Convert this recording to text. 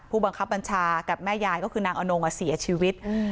ผู้บังคับบัญชากับแม่ยายก็คือนางอนงเสียชีวิต